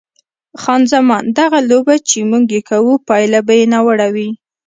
خان زمان: دغه لوبه چې موږ یې کوو پایله به یې ناوړه وي.